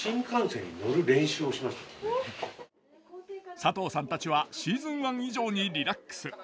佐藤さんたちはシーズン１以上にリラックス。